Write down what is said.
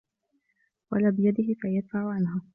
وَلَا بِيَدِهِ فَيَدْفَعُ عَنْهَا